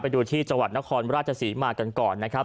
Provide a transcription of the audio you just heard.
ดูที่จังหวัดนครราชศรีมากันก่อนนะครับ